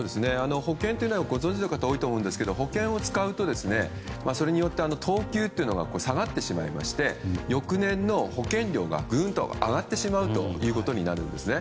保険というのはご存じの方多いと思うんですが保険を使うと、それによって等級が下がってしまいまして翌年の保険料がグーンと上がってしまうということになるんですね。